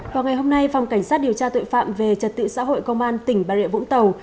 vào ngày hôm nay phòng cảnh sát điều tra tội phạm về trật tự xã hội công an tỉnh bà rịa vũng tàu